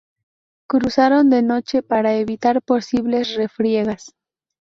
Cruzaron de noche para evitar posibles refriegas.